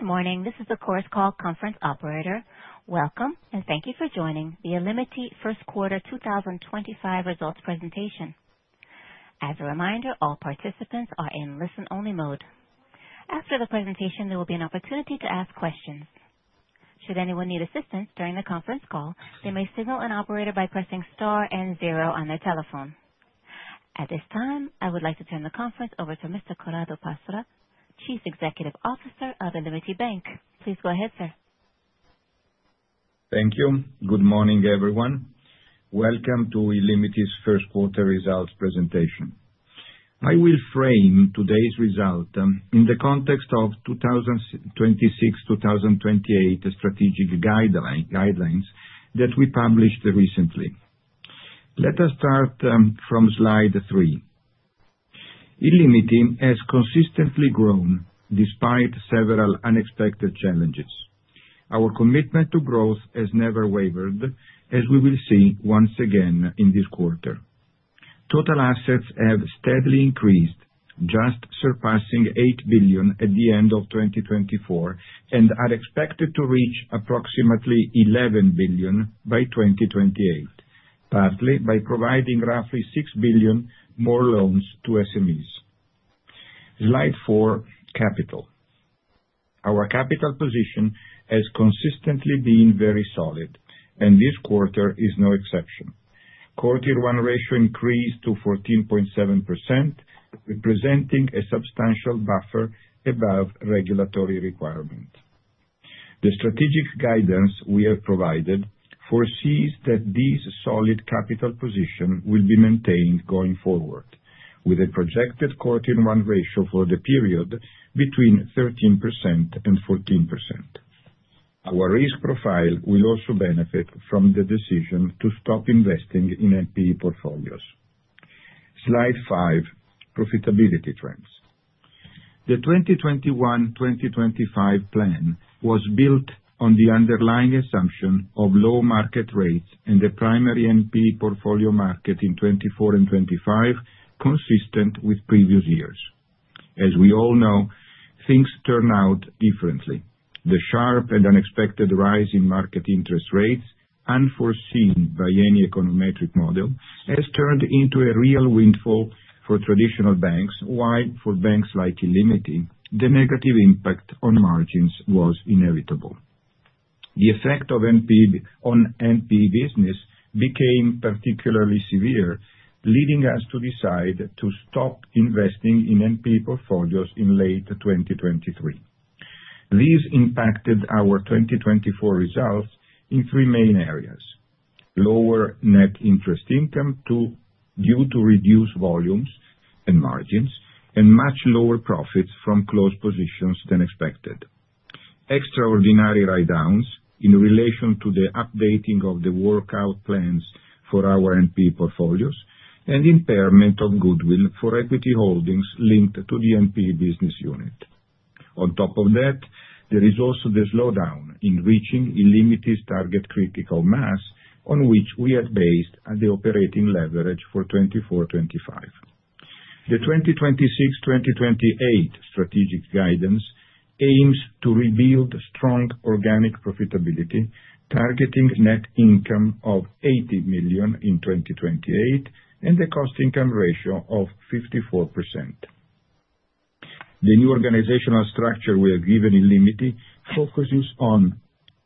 Good morning. This is the course call conference operator. Welcome, and thank you for joining the Illimity first quarter 2025 results presentation. As a reminder, all participants are in listen-only mode. After the presentation, there will be an opportunity to ask questions. Should anyone need assistance during the conference call, they may signal an operator by pressing star and zero on their telephone. At this time, I would like to turn the conference over to Mr. Corrado Passera, Chief Executive Officer of Illimity Bank. Please go ahead, sir. Thank you. Good morning, everyone. Welcome to Illimity's first quarter results presentation. I will frame today's result in the context of 2026-2028 strategic guidelines that we published recently. Let us start from slide three. Illimity has consistently grown despite several unexpected challenges. Our commitment to growth has never wavered, as we will see once again in this quarter. Total assets have steadily increased, just surpassing 8 billion at the end of 2024, and are expected to reach approximately 11 billion by 2028, partly by providing roughly 6 billion more loans to SMEs. Slide four, capital. Our capital position has consistently been very solid, and this quarter is no exception. Quarter one ratio increased to 14.7%, representing a substantial buffer above regulatory requirement. The strategic guidance we have provided foresees that this solid capital position will be maintained going forward, with a projected Q1 ratio for the period between 13% and 14%. Our risk profile will also benefit from the decision to stop investing in NPE portfolios. Slide five, profitability trends. The 2021-2025 plan was built on the underlying assumption of low market rates and the primary NPE portfolio market in 2024 and 2025, consistent with previous years. As we all know, things turn out differently. The sharp and unexpected rise in market interest rates, unforeseen by any econometric model, has turned into a real windfall for traditional banks, while for banks like Illimity, the negative impact on margins was inevitable. The effect of NPE on NPE business became particularly severe, leading us to decide to stop investing in NPE portfolios in late 2023. This impacted our 2024 results in three main areas: lower net interest income due to reduced volumes and margins, and much lower profits from closed positions than expected, extraordinary write-downs in relation to the updating of the workout plans for our LPE portfolios, and impairment of goodwill for equity holdings linked to the LPE business unit. On top of that, there is also the slowdown in reaching illimity's target critical mass, on which we had based the operating leverage for 2024-2025. The 2026-2028 strategic guidance aims to rebuild strong organic profitability, targeting net income of 80 million in 2028 and a cost-income ratio of 54%. The new organizational structure we have given Illimity focuses on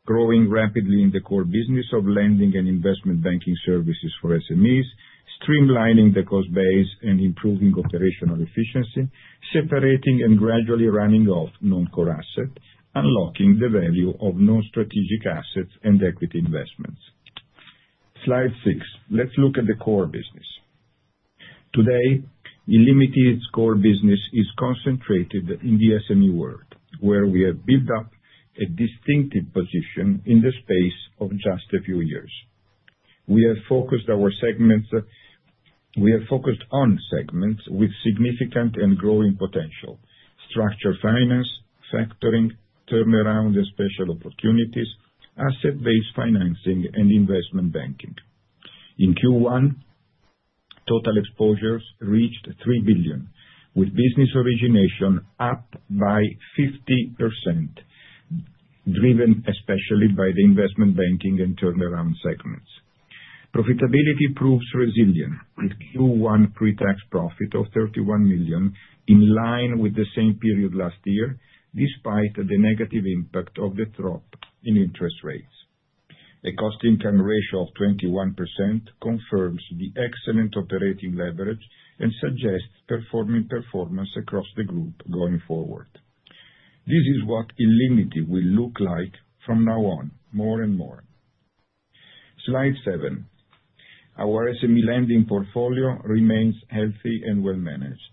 growing rapidly in the core business of lending and investment banking services for SMEs, streamlining the cost base and improving operational efficiency, separating and gradually running off non-core assets, unlocking the value of non-strategic assets and equity investments. Slide six, let's look at the core business. Today, Illimity's core business is concentrated in the SME world, where we have built up a distinctive position in the space of just a few years. We have focused our segments; we have focused on segments with significant and growing potential: structured finance, factoring, turnaround and special opportunities, asset-based financing, and investment banking. In Q1, total exposures reached 3 billion, with business origination up by 50%, driven especially by the investment banking and turnaround segments. Profitability proves resilient, with Q1 pre-tax profit of 31 million in line with the same period last year, despite the negative impact of the drop in interest rates. A cost-income ratio of 21% confirms the excellent operating leverage and suggests performing performance across the group going forward. This is what Illimity will look like from now on, more and more. Slide seven, our SME lending portfolio remains healthy and well-managed.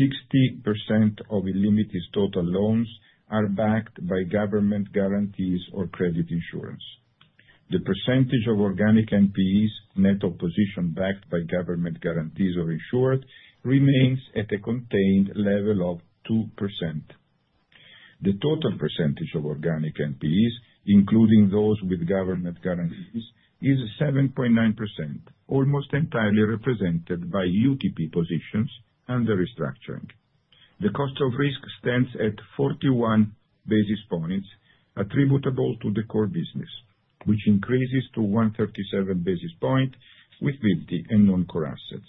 60% of Illimity's total loans are backed by government guarantees or credit insurance. The percentage of organic NPEs net of position backed by government guarantees or insured remains at a contained level of 2%. The total percentage of organic NPEs, including those with government guarantees, is 7.9%, almost entirely represented by UTP positions under restructuring. The cost of risk stands at 41 basis points attributable to the core business, which increases to 137 basis points with UTP and non-core assets.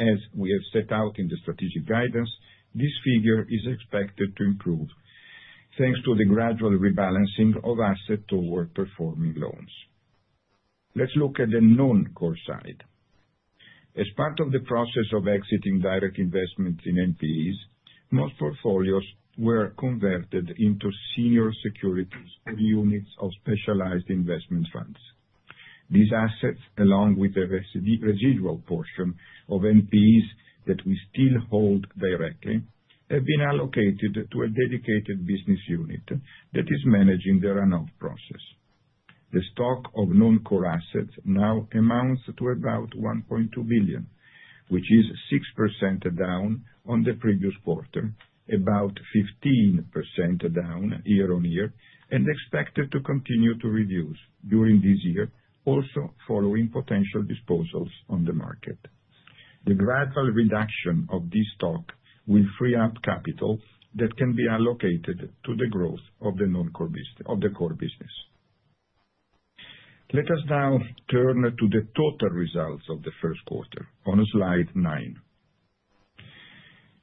As we have set out in the strategic guidance, this figure is expected to improve thanks to the gradual rebalancing of assets toward performing loans. Let's look at the non-core side. As part of the process of exiting direct investments in NPEs, most portfolios were converted into senior securities of units of specialized investment funds. These assets, along with the residual portion of NPEs that we still hold directly, have been allocated to a dedicated business unit that is managing the runoff process. The stock of non-core assets now amounts to about 1.2 billion, which is 6% down on the previous quarter, about 15% down year-on-year, and expected to continue to reduce during this year, also following potential disposals on the market. The gradual reduction of this stock will free up capital that can be allocated to the growth of the non-core business. Let us now turn to the total results of the 1st quarter on slide nine.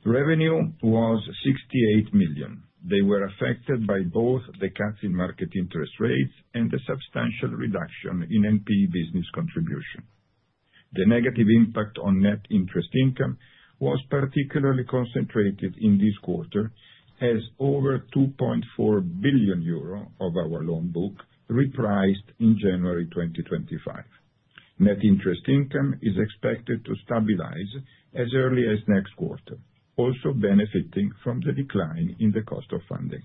Revenue was 68 million. They were affected by both the cuts in market interest rates and the substantial reduction in LPE business contribution. The negative impact on net interest income was particularly concentrated in this quarter, as over 2.4 billion euro of our loan book repriced in January 2025. Net interest income is expected to stabilize as early as next quarter, also benefiting from the decline in the cost of funding.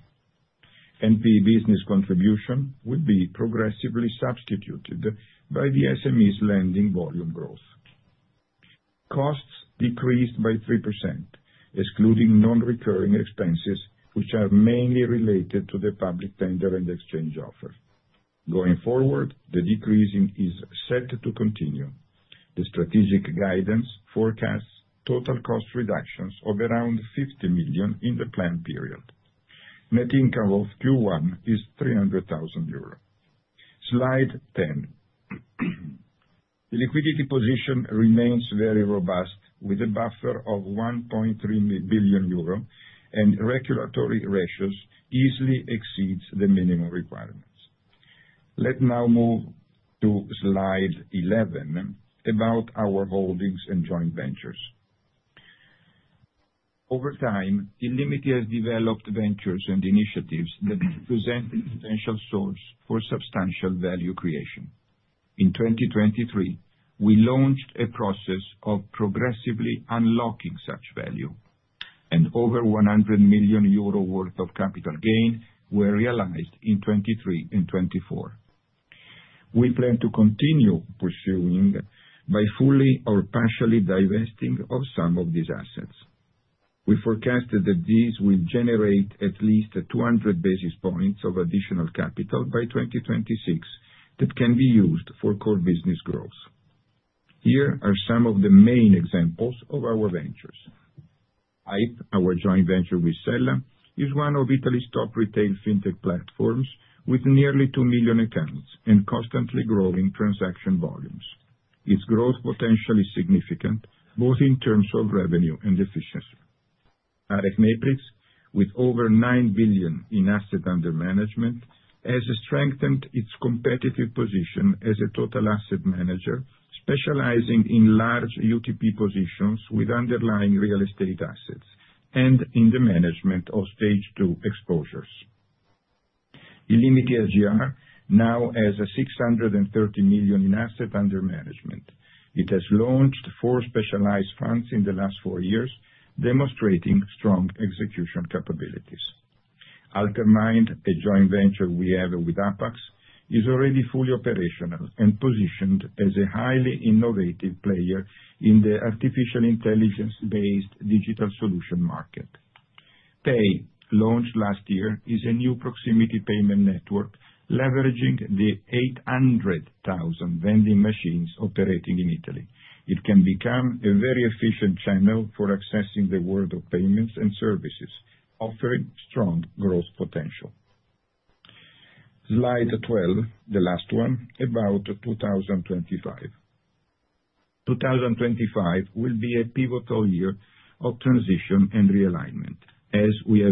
LPE business contribution will be progressively substituted by the SMEs' lending volume growth. Costs decreased by 3%, excluding non-recurring expenses, which are mainly related to the public tender and exchange offer. Going forward, the decreasing is set to continue. The strategic guidance forecasts total cost reductions of around 50 million in the planned period. Net income of Q1 is 300,000 euros. Slide ten. The liquidity position remains very robust, with a buffer of 1.3 billion euro, and regulatory ratios easily exceed the minimum requirements. Let's now move to slide eleven about our holdings and joint ventures. Over time, Illimity has developed ventures and initiatives that represent an essential source for substantial value creation. In 2023, we launched a process of progressively unlocking such value, and over 100 million euro worth of capital gain were realized in 2023 and 2024. We plan to continue pursuing by fully or partially divesting of some of these assets. We forecast that these will generate at least 200 basis points of additional capital by 2026 that can be used for core business growth. Here are some of the main examples of our ventures. Our joint venture with Sella is one of Italy's top retail fintech platforms, with nearly 2 million accounts and constantly growing transaction volumes. Its growth potential is significant, both in terms of revenue and efficiency. ARES Matrix, with over 9 billion in assets under management, has strengthened its competitive position as a total asset manager specializing in large UTP positions with underlying real estate assets and in the management of stage two exposures. Illimity SGR now has 630 million in assets under management. It has launched four specialized funds in the last four years, demonstrating strong execution capabilities. Altermind, a joint venture we have with Apax, is already fully operational and positioned as a highly innovative player in the artificial intelligence-based digital solution market. Pay, launched last year, is a new proximity payment network leveraging the 800,000 vending machines operating in Italy. It can become a very efficient channel for accessing the world of payments and services, offering strong growth potential. Slide twelve, the last one, about 2025. 2025 will be a pivotal year of transition and realignment, as we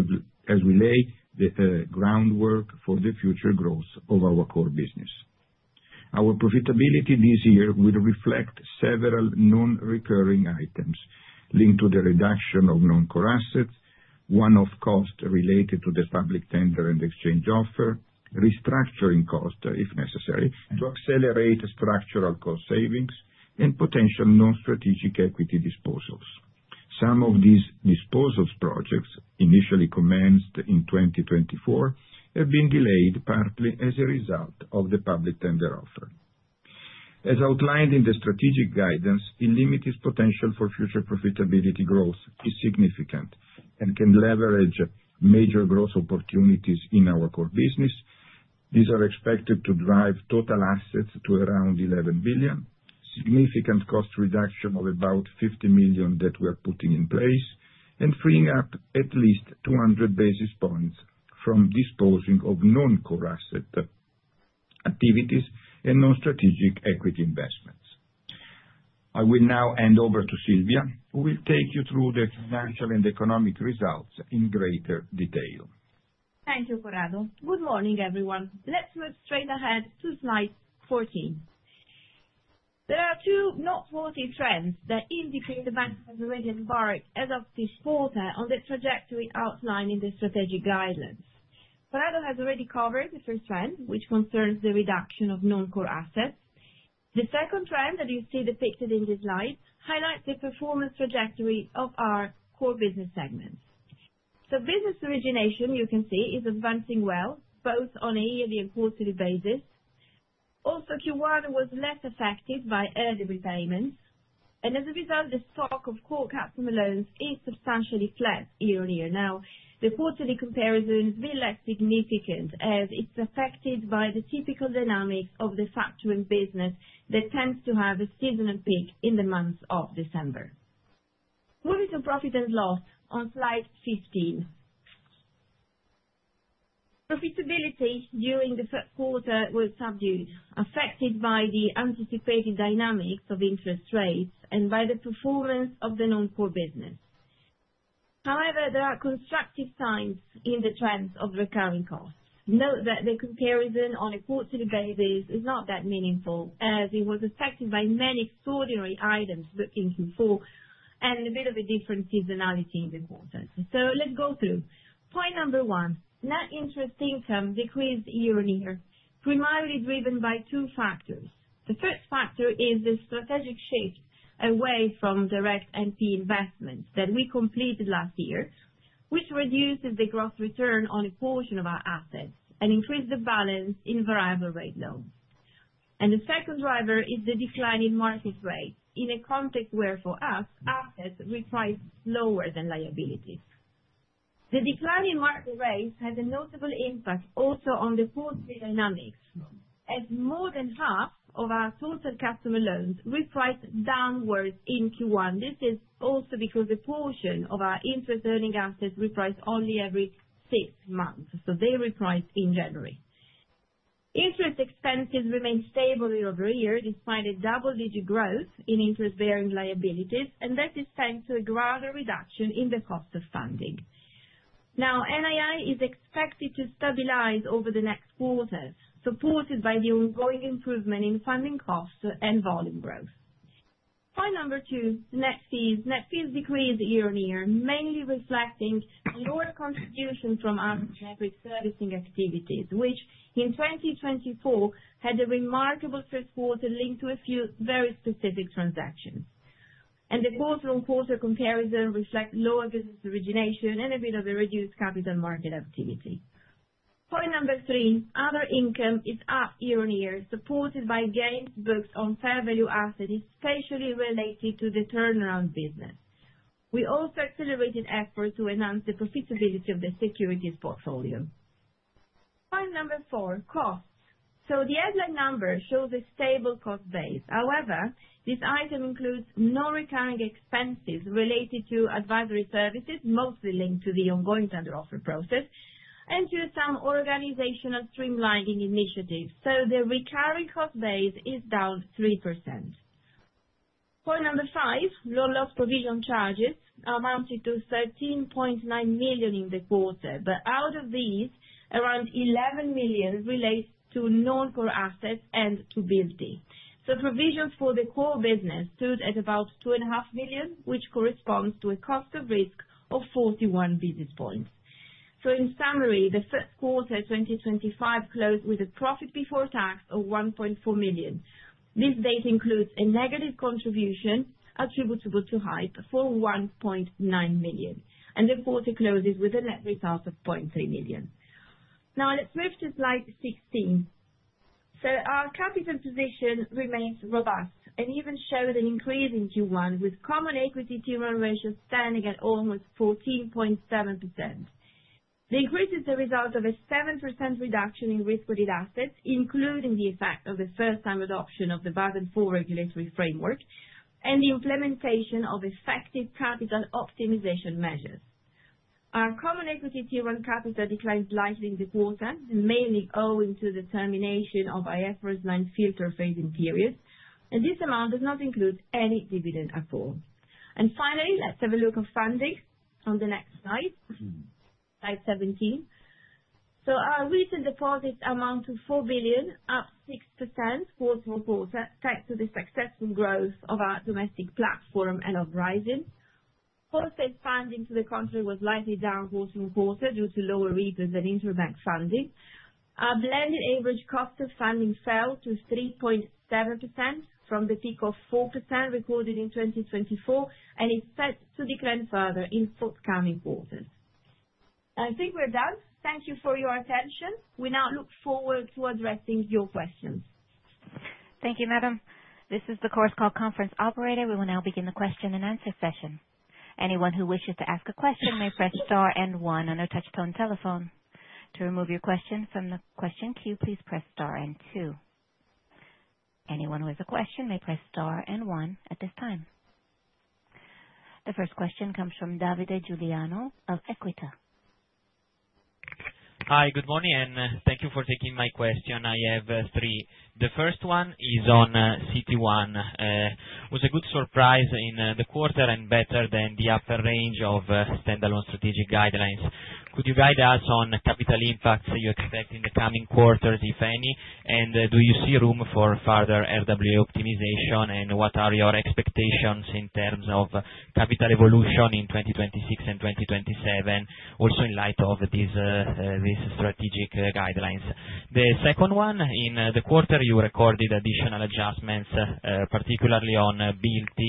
lay the groundwork for the future growth of our core business. Our profitability this year will reflect several non-recurring items linked to the reduction of non-core assets, one-off costs related to the public tender and exchange offer, restructuring costs if necessary to accelerate structural cost savings, and potential non-strategic equity disposals. Some of these disposals projects, initially commenced in 2024, have been delayed partly as a result of the public tender offer. As outlined in the strategic guidance, Illimity's potential for future profitability growth is significant and can leverage major growth opportunities in our core business. These are expected to drive total assets to around 11 billion, significant cost reduction of about 50 million that we are putting in place, and freeing up at least 200 basis points from disposing of non-core asset activities and non-strategic equity investments. I will now hand over to Silvia, who will take you through the financial and economic results in greater detail. Thank you, Corrado. Good morning, everyone. Let's move straight ahead to slide 14. There are a few noteworthy trends that indicate the bank has already embarked as of this quarter on the trajectory outlined in the strategic guidance. Corrado has already covered the first trend, which concerns the reduction of non-core assets. The second trend that you see depicted in this slide highlights the performance trajectory of our core business segments. Business origination, you can see, is advancing well, both on a yearly and quarterly basis. Also, Q1 was less affected by early repayments, and as a result, the stock of core customer loans is substantially flat year-on-year. Now, the quarterly comparison is way less significant, as it's affected by the typical dynamics of the factoring business that tends to have a seasonal peak in the month of December. Moving to profit and loss on slide 15. Profitability during the 3rd quarter was subdued, affected by the anticipated dynamics of interest rates and by the performance of the non-core business. However, there are constructive signs in the trends of recurring costs. Note that the comparison on a quarterly basis is not that meaningful, as it was affected by many extraordinary items and a bit of a different seasonality in the quarter. Let's go through. Point number one, net interest income decreased year-on-year, primarily driven by two factors. The first factor is the strategic shift away from direct NPE investments that we completed last year, which reduces the gross return on a portion of our assets and increased the balance in variable rate loans. The second driver is the decline in market rates in a context where, for us, assets repriced lower than liabilities. The decline in market rates has a notable impact also on the quarterly dynamics, as more than half of our total customer loans repriced downwards in Q1. This is also because the portion of our interest-earning assets repriced only every six months, so they repriced in January. Interest expenses remain stable year-over-year, despite a double-digit growth in interest-bearing liabilities, and that is thanks to a gradual reduction in the cost of funding. Now, NII is expected to stabilize over the next quarter, supported by the ongoing improvement in funding costs and volume growth. Point number two, net fees. Net fees decreased year-on-year, mainly reflecting lower contributions from our generic servicing activities, which in 2024 had a remarkable 1st quarter linked to a few very specific transactions. The quarter-on-quarter comparisons reflect lower business origination and a bit of a reduced capital market activity. Point number three, other income is up year-on-year, supported by gains booked on fair value assets, especially related to the turnaround business. We also accelerated efforts to enhance the profitability of the securities portfolio. Point number four, costs. The headline number shows a stable cost base. However, this item includes non-recurring expenses related to advisory services, mostly linked to the ongoing tender offer process, and to some organizational streamlining initiatives. The recurring cost base is down 3%. Point number five, low loss provision charges amounted to 13.9 million in the quarter, but out of these, around 11 million relates to non-core assets and to UTP. Provisions for the core business stood at about 2.5 million, which corresponds to a cost of risk of 41 basis points. In summary, the 1st quarter of 2025 closed with a profit before tax of 1.4 million. This date includes a negative contribution attributable to HYPE for 1.9 million, and the quarter closes with a net result of 0.3 million. Now, let's move to slide 16. Our capital position remains robust and even showed an increase in Q1, with common equity Tier 1 ratio standing at almost 14.7%. The increase is the result of a 7% reduction in risk-weighted assets, including the effect of the first-time adoption of the BAGAN IV regulatory framework and the implementation of effective capital optimization measures. Our common equity turnover capital declined slightly in the quarter, mainly owing to the termination of our F-19 filter phasing period, and this amount does not include any dividend uphold. Finally, let's have a look at funding on the next slide, slide 17. Our recent deposits amount to 4 billion, up 6% quarter-on-quarter, thanks to the successful growth of our domestic platform and of Risin. Wholesale funding to the country was slightly down quarter-on-quarter due to lower rebates than interbank funding. Our blended average cost of funding fell to 3.7% from the peak of 4% recorded in 2024, and it's set to decline further in forthcoming quarters. I think we're done. Thank you for your attention. We now look forward to addressing your questions. Thank you, Madam. This is the Course Call Conference Operator. We will now begin the question and answer session. Anyone who wishes to ask a question may press star and one on their touch-tone telephone. To remove your question from the question queue, please press star and two. Anyone who has a question may press star and one at this time. The first question comes from Davide Giuliano of Equita. Hi, good morning, and thank you for taking my question. I have three. The first one is on CET1. It was a good surprise in the quarter and better than the upper range of standalone strategic guidelines. Could you guide us on capital impacts you expect in the coming quarters, if any? Do you see room for further RWA optimization? What are your expectations in terms of capital evolution in 2026 and 2027, also in light of these strategic guidelines? The second one, in the quarter, you recorded additional adjustments, particularly on BLT.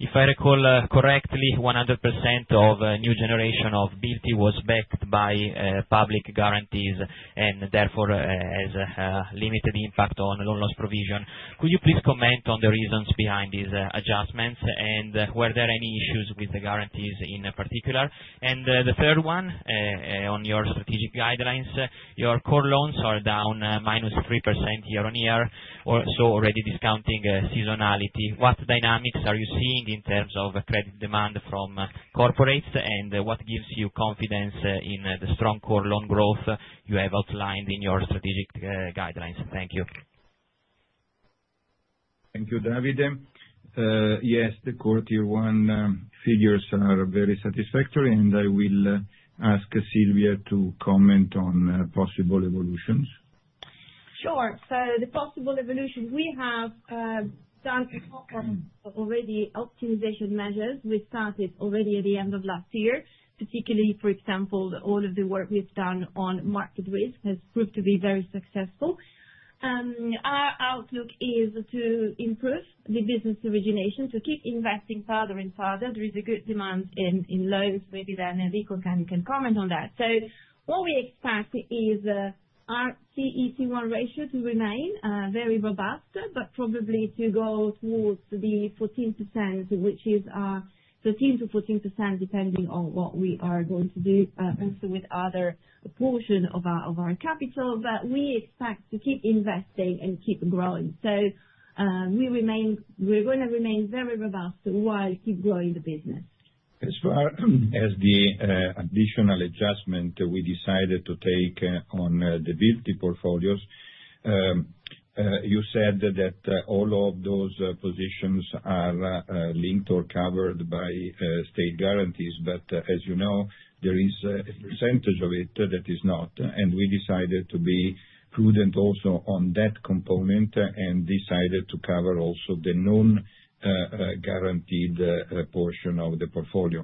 If I recall correctly, 100% of the new generation of BLT was backed by public guarantees and therefore has limited impact on low loss provision. Could you please comment on the reasons behind these adjustments? Were there any issues with the guarantees in particular? The third one, on your strategic guidelines, your core loans are down minus 3% year-on-year, also already discounting seasonality. What dynamics are you seeing in terms of credit demand from corporates? What gives you confidence in the strong core loan growth you have outlined in your strategic guidelines? Thank you. Thank you, Davide. Yes, the quarter one figures are very satisfactory, and I will ask Silvia to comment on possible evolutions. Sure. The possible evolution, we have done already optimization measures. We started already at the end of last year, particularly, for example, all of the work we have done on market risk has proved to be very successful. Our outlook is to improve the business origination to keep investing further and further. There is a good demand in loans. Maybe Daniel, if you can, you can comment on that. What we expect is our CET1 ratio to remain very robust, but probably to go towards the 14%, which is 13%-14%, depending on what we are going to do with other portions of our capital. We expect to keep investing and keep growing. We are going to remain very robust while keep growing the business. As the additional adjustment we decided to take on the BLT portfolios, you said that all of those positions are linked or covered by state guarantees. As you know, there is a percentage of it that is not. We decided to be prudent also on that component and decided to cover also the non-guaranteed portion of the portfolio.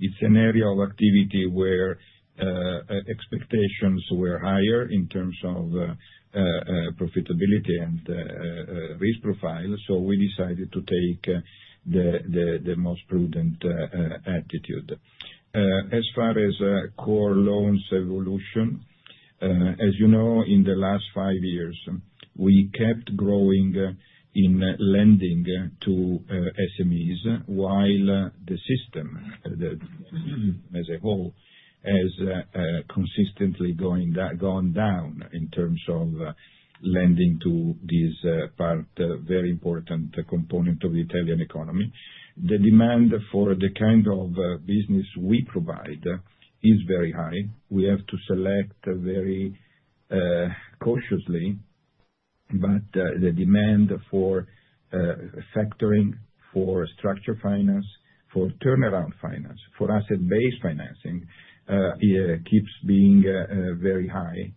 It is an area of activity where expectations were higher in terms of profitability and risk profile. We decided to take the most prudent attitude. As far as core loans evolution, as you know, in the last five years, we kept growing in lending to SMEs, while the system as a whole has consistently gone down in terms of lending to this part, very important component of the Italian economy. The demand for the kind of business we provide is very high. We have to select very cautiously, but the demand for factoring, for structured finance, for turnaround finance, for asset-based financing keeps being very high.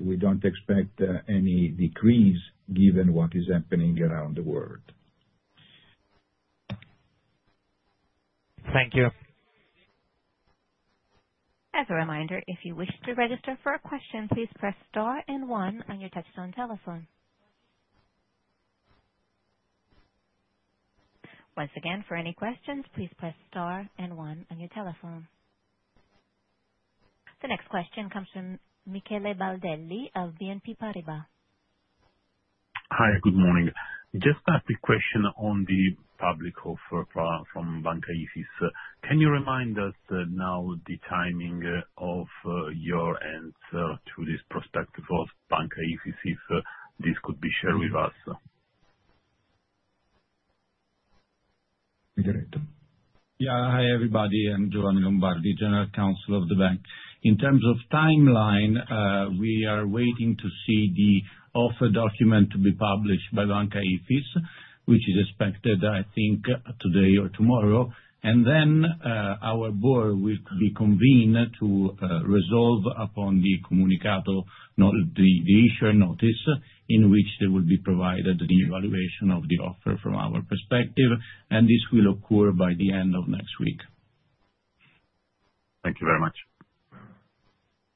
We do not expect any decrease given what is happening around the world. Thank you. As a reminder, if you wish to register for a question, please press star and one on your touch-tone telephone. Once again, for any questions, please press star and one on your telephone. The next question comes from Michele Baldelli of BNP Paribas. Hi, good morning. Just asked a question on the public offer from Banca IFIS. Can you remind us now the timing of your end to this prospect for Banca IFIS if this could be shared with us? Yeah, hi everybody. I am Giovanni Lombardi, General Counsel of the Bank. In terms of timeline, we are waiting to see the offer document to be published by Banca IFIS, which is expected, I think, today or tomorrow. Our board will be convened to resolve upon the issuer notice in which they will be provided the evaluation of the offer from our perspective. This will occur by the end of next week. Thank you very much.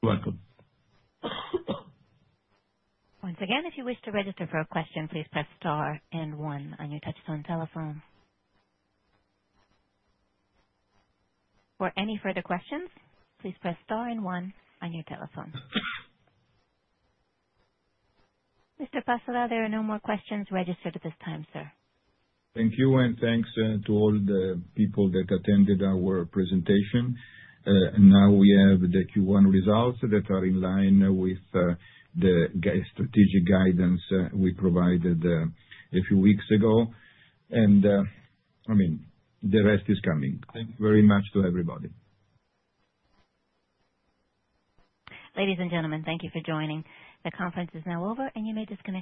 You're welcome. Once again, if you wish to register for a question, please press star and one on your touch-tone telephone. For any further questions, please press star and one on your telephone. Mr. Passera, there are no more questions registered at this time, sir. Thank you, and thanks to all the people that attended our presentation. Now we have the Q1 results that are in line with the strategic guidance we provided a few weeks ago. I mean, the rest is coming. Thank you very much to everybody. Ladies and gentlemen, thank you for joining. The conference is now over, and you may disconnect.